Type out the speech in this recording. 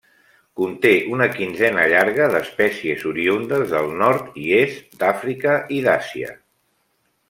Conté una quinzena llarga d'espècies oriündes del nord i est d'Àfrica i d'Àsia.